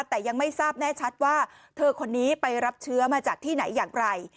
แต่ยังไม่ทราบแน่ชัดว่าเธอคนนี้ไปรับเชื้อมาจากที่ไหนอย่างไร